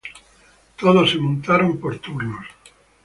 Todos se montaron por turnos.